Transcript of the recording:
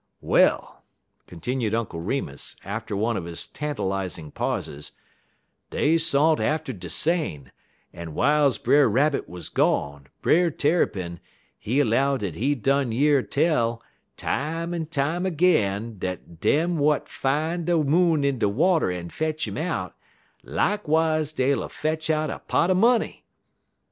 "Well," continued Uncle Remus, after one of his tantalizing pauses, "dey sont atter de sane, en w'iles Brer Rabbit wuz gone, Brer Tarrypin, he 'low dat he done year tell time en time ag'in dat dem w'at fine de Moon in de water en fetch 'im out, lakwise dey ull fetch out a pot er money.